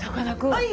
はい！